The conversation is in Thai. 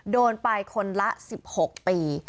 โดนไปคนละ๑๖ปี